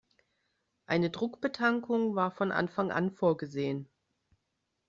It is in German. Eine Druckbetankung war von Anfang an vorgesehen.